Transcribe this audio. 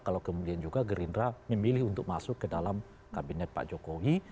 kalau kemudian juga gerindra memilih untuk masuk ke dalam kabinet pak jokowi